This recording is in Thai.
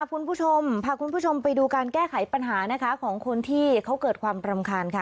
คุณผู้ชมพาคุณผู้ชมไปดูการแก้ไขปัญหานะคะของคนที่เขาเกิดความรำคาญค่ะ